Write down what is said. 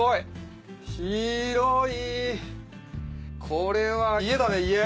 これは家だね家。